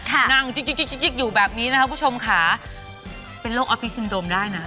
ค่ะนั่งอยู่แบบนี้นะครับคุณผู้ชมค่ะเป็นโรคอฟฟิสซินโดมได้นะ